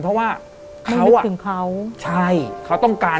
แต่ขอให้เรียนจบปริญญาตรีก่อน